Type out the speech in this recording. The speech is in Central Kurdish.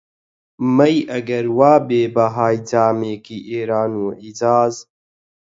مەی ئەگەر وا بێ بەهای جامێکی، ئێران و حیجاز